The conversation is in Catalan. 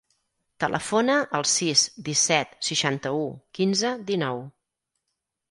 Telefona al sis, disset, seixanta-u, quinze, dinou.